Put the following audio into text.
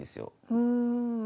うん。